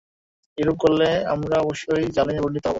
এরূপ করলে আমরা অবশ্যই জালিমে পরিণত হব।